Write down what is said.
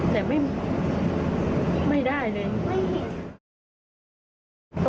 แต่ไม่ได้เลย